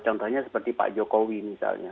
contohnya seperti pak jokowi misalnya